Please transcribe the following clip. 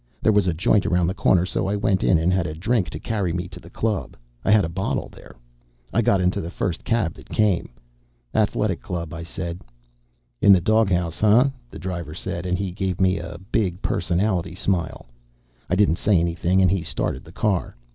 There was a joint around the corner, so I went in and had a drink to carry me to the club; I had a bottle there. I got into the first cab that came. "Athletic Club," I said. "Inna dawghouse, harh?" the driver said, and he gave me a big personality smile. I didn't say anything and he started the car.